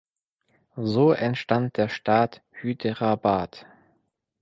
So entstand der Staat Hyderabad.